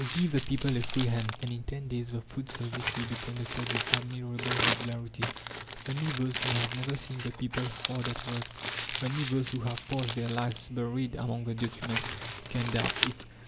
Give the people a free hand, and in ten days the food service will be conducted with admirable regularity. Only those who have never seen the people hard at work, only those who have passed their lives buried among the documents, can doubt it.